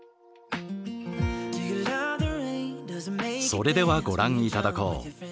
それではご覧頂こう。